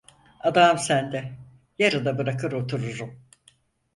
Adam sen de, yarıda bırakır otururum!